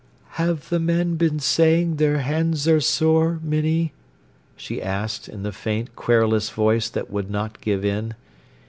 "Have the men been saying their hands are sore, Minnie?" she asked, in the faint, querulous voice that would not give in.